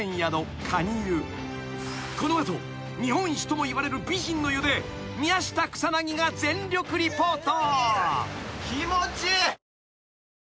［この後日本一ともいわれる美人の湯で宮下草薙が全力リポート］